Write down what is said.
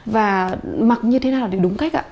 và mặc như thế nào để đúng cách